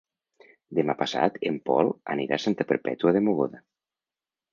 Demà passat en Pol anirà a Santa Perpètua de Mogoda.